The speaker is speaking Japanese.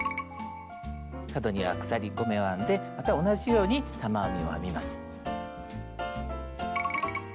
角には鎖５目を編んでまた同じように玉編みを編みます。